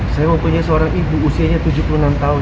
saya mempunyai seorang ibu usianya tujuh puluh enam tahun